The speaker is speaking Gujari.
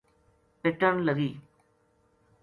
پِٹن لگی